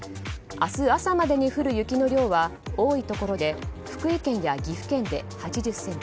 明日朝までに降る雪の量は多いところで福井県や岐阜県で８０ｃｍ